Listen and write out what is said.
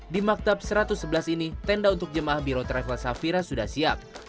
di maktab satu ratus sebelas ini tenda untuk jemaah biro travel safira sudah siap